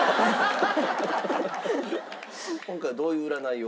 今回はどういう占いを？